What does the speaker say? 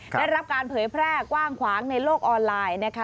ได้รับการเผยแพร่กว้างขวางในโลกออนไลน์นะคะ